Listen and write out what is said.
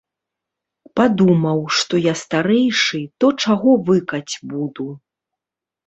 Падумаў, што я старэйшы, то чаго выкаць буду.